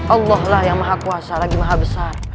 allah lah yang maha kuasa lagi maha besar